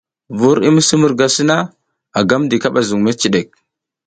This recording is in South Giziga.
Vur i misi murga sina, a gam di ka zuƞ meciɗek.